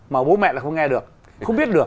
mà bố mẹ lại không nghe được không biết được